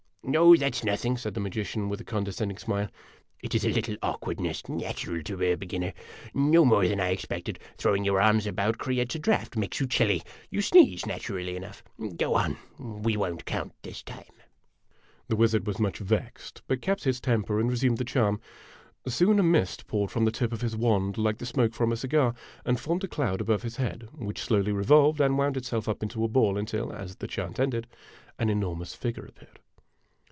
" Oh, that 's nothing," said the magician, with a condescending smile. " It is a little awkwardness natural to a beginner. No o more than I expected ! Throwing your arms about creates a draft makes you chilly ; you sneeze, naturally enough. Go on ; we won't count this time.' 42 IMAGINOTIONS The wizard was much vexed, but kept his temper and resumed the charm. Soon, a mist poured from the tip of his wand, like the smoke from a cigar, and formed a cloud above his head, which slowly revolved and wound itself up into a ball until, as the chant ended, an enormous figure appeared.